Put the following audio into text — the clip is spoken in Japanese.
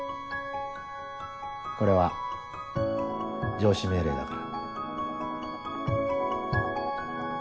これは上司命令だから。